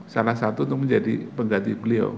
salah satu untuk menjadi pengganti beliau